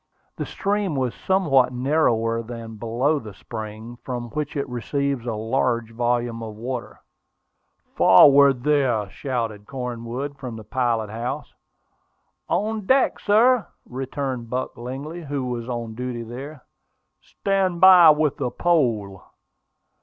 The stream was somewhat narrower than below the spring, from which it receives a large volume of water. "Forward, there!" shouted Cornwood from the pilot house. "On deck, sir!" returned Buck Lingley, who was on duty there. "Stand by with the pole."